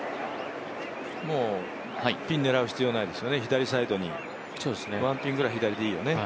もうピン狙う必要ないですよね、左サイドに、１ピンぐらい左でいいよね。